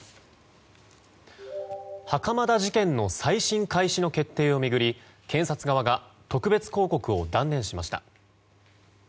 袴田事件の再審開始の決定を巡り検察側が特別抗告を断念しました。